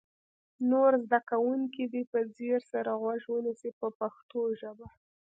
نور زده کوونکي دې په ځیر سره غوږ ونیسي په پښتو ژبه.